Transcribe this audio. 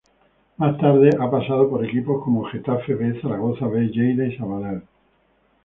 Más tarde, ha pasado por equipos como Getafe B, Zaragoza B, Lleida y Sabadell.